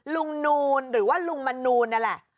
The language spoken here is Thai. นูนหรือว่าลุงมนูนนั่นแหละ